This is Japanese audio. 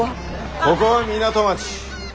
ここは港町。